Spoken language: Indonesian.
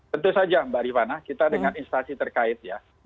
tentu saja mbak rifana kita dengan instasi terkait ya